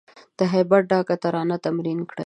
د هیبت ډکه ترانه تمرین کړی